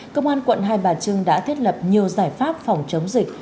công an quận hai bà trưng đã thiết lập nhiều giải pháp phòng chống dịch